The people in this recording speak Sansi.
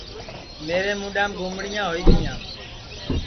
میرے مُڈؔام گُمڑیاں ہوئی گیاں